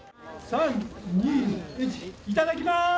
いただきます！